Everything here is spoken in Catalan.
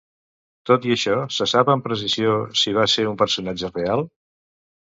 Tot i això, se sap amb precisió si va ser un personatge real?